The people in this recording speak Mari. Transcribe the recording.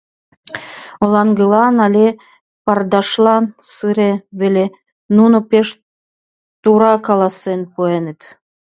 Олаҥгылан але пардашлан сыре веле — нуно пеш тура каласен пуэныт.